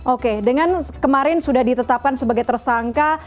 oke dengan kemarin sudah ditetapkan sebagai tersangka